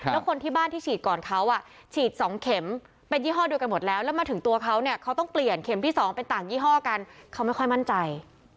แล้วคนที่บ้านที่ฉีดก่อนเขาฉีด๒เข็มเป็นยี่ห้อเดียวกันหมดแล้วแล้วมาถึงตัวเขาเนี่ยเขาต้องเปลี่ยนเข็มที่๒เป็นต่างยี่ห้อกันเขาไม่ค่อยมั่นใจ